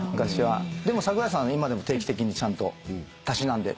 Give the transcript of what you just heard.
でも桜井さんは今でも定期的にちゃんとたしなんで。